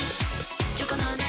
チョコの中